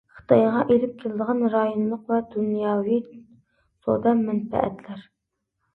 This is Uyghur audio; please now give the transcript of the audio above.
خىتايغا ئېلىپ كېلىدىغان رايونلۇق ۋە دۇنياۋى سودا مەنپەئەتلەر.